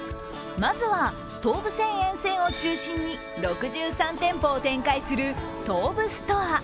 まずは、東武線沿線を中心に６３店舗を展開する、東武ストア。